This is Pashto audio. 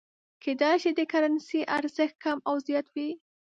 کېدای شي د کرنسۍ ارزښت کم او یا زیات وي.